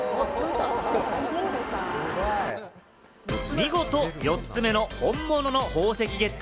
見事４つ目の本物の宝石ゲッ